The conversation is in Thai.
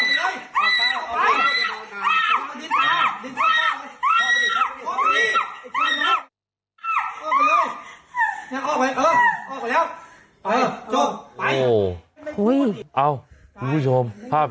อ้อบไปเอออ้อบไปแล้วไปจบไปโอ้หุ้ยเอาคุณผู้ชมภาพ